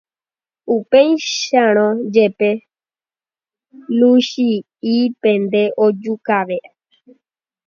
Upéicharõ jepe, Luchia'ípente ojekuaave.